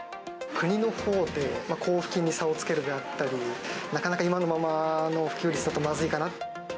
国のほうで交付金に差をつけるであったり、なかなか今のままの普及率だとまずいかな。